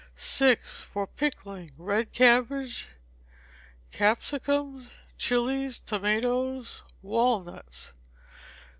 vi. For Pickling. Red cabbage, capsicums, chilies, tomatoes, walnuts.